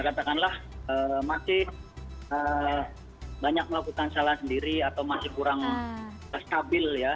katakanlah masih banyak melakukan salah sendiri atau masih kurang stabil ya